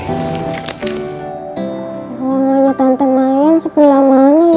uangnya tante mayan sebelah mana ya